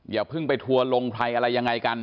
อย่าเพิ่งไปทัวร์ลงใครอะไรยังไงกัน